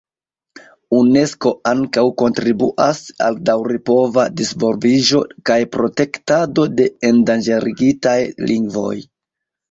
Unesko ankaŭ kontribuas al daŭripova disvolviĝo kaj protektado de endanĝerigitaj lingvoj.